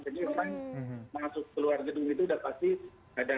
jadi orang masuk keluar gedung itu sudah pasti ada